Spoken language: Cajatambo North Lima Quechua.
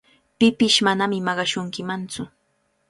Pipish manami maqashunkimantsu.